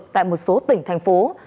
tại một số tỉnh thành phố